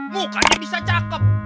mukanya bisa cakep